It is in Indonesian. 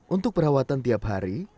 untuk perawatan tiap hari